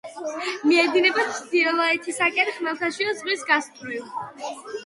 მიედინება ჩრდილოეთისაკენ ხმელთაშუა ზღვის გასწვრივ.